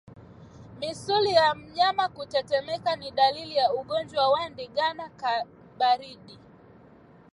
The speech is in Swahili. Misuli ya mnyama kutetemeka ni dalili za ugonjwa wa ndigana baridi